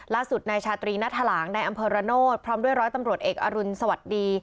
ล่าสุดนายชาตรีณถลางในอำเภอระโนธพร้อมด้วยร้อยตำรวจเอกอรุณสวัสดี